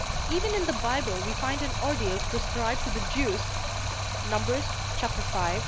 Even in the Bible we find an ordeal prescribed to the Jews (Numbers, chap v.